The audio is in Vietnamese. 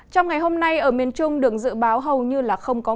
trong ngày hôm nay ở miền trung được dự báo hầu như là không có